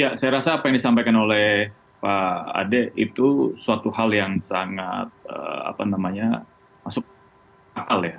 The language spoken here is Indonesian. ya saya rasa apa yang disampaikan oleh pak ade itu suatu hal yang sangat masuk akal ya